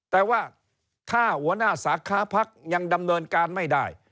แต่ว่าถ้าหัวหน้าสาขาพักยังดำเนินการไม่ได้